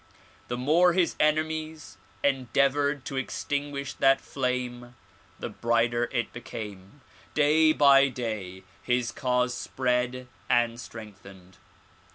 The more his enemies endeavored to extinguish that flame the brighter it became. Day by day his cause spread and strengthened.